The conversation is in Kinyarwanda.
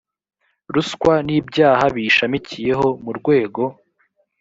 ruswa n ibyaha biyishamikiyeho mu rwego